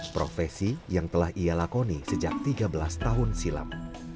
profesi yang telah ia lakoni sejak tiga belas tahun silam